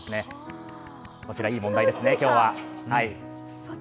こちら、いい問題ですね、今日は。